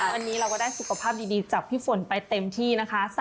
วันนี้เราก็ได้สุขภาพดีจากพี่ฝนไปเต็มที่นะคะ